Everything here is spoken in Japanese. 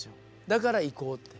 だから行こうって。